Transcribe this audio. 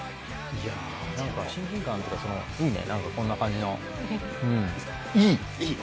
いや、なんか親近感あるというかいいね、こんな感じの、いい。